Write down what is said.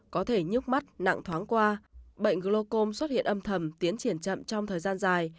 có thể nhúc mắt nặng thoáng qua bệnh glocom xuất hiện âm thầm tiến triển chậm trong thời gian dài